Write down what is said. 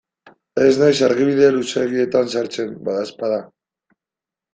Ez naiz argibide luzeegietan sartzen, badaezpada.